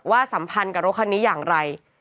สัมพันธ์กับรถคันนี้อย่างไร